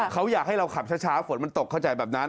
เขาอยากให้เราขับช้าฝนมันตกเข้าใจแบบนั้น